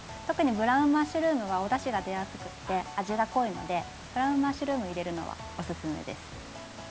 特にブラウンマッシュルームはおだしが出やすくって味が濃いのでブラウンマッシュルーム入れるのはおすすめです。